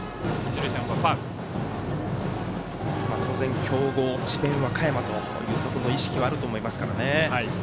当然、強豪智弁和歌山というところの意識はあると思いますからね。